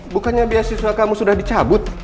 bukannya beasiswa kamu sudah dicabut